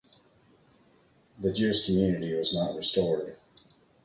The Jewish community was not restored.